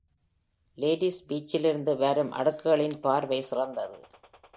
Ladies பீச்சிலிருந்து வரும் அடுக்குகளின் பார்வை சிறந்தது.